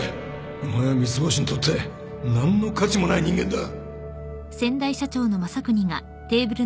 お前は三ツ星にとって何の価値もない人間だ